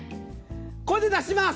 これで出します！